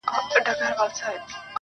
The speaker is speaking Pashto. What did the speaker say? ژوند له باور نه ښکلی ښکاري.